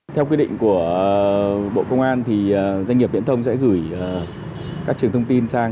theo quy định của bộ công an thì doanh nghiệp viễn thông sẽ gửi các trường thông tin sang